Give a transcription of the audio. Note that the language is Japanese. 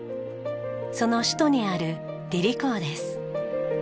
その首都にあるディリ港です。